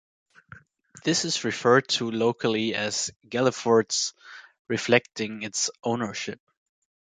This is referred to locally as 'Gallifords' reflecting its ownership.